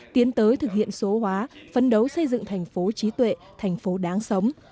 tiến tới thực hiện số hóa phấn đấu xây dựng thành phố trí tuệ thành phố đáng sống